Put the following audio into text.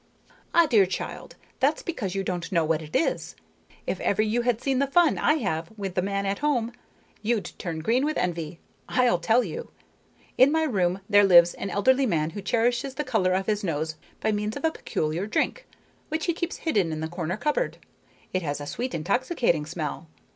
"Ah, dear child, that's because you don't know what it is. If ever you had seen the fun I have with the man at home, you'd turn green with envy. I'll tell you. In my room there lives an elderly man who cherishes the color of his nose by means of a peculiar drink, which he keeps hidden in the corner cupboard. It has a sweet, intoxicating smell.